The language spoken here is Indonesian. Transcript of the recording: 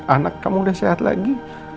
anak kamu udah sehat lagi